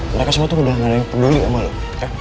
mereka semua tuh udah gak ada yang peduli sama lo